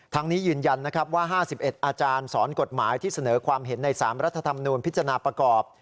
นี้ยืนยันนะครับว่า๕๑อาจารย์สอนกฎหมายที่เสนอความเห็นใน๓รัฐธรรมนูญพิจารณาประกอบ